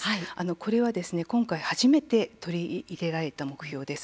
これは今回初めて取り入れられた目標です。